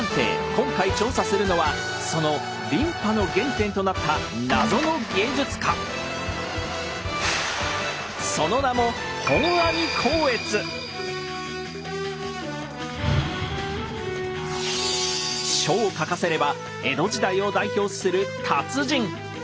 今回調査するのはその琳派の原点となったその名も書を書かせれば江戸時代を代表する達人。